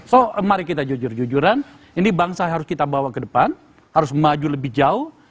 so mari kita jujur jujuran ini bangsa harus kita bawa ke depan harus maju lebih jauh